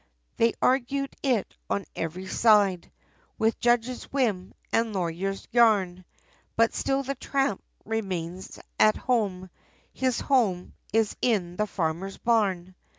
They argued it, on every side, With judge's whim, and lawyer's yarn. But still the tramp, remains at home, His home, is in the farmer's barn!